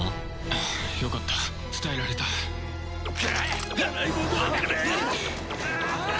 ああよかった伝えられた食らえ！